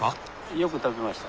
よく食べました。